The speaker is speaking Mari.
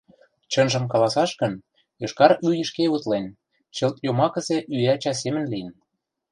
Чынжым каласаш гын, йошкар ӱй шке утлен, чылт йомакысе ӱяча семын лийын.